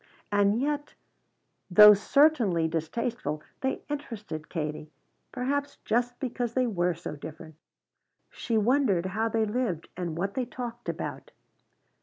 And yet, though certainly distasteful, they interested Katie, perhaps just because they were so different. She wondered how they lived and what they talked about.